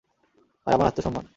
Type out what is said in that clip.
আর আমার আত্মসম্মান?